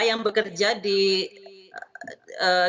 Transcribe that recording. yang bekerja di jawa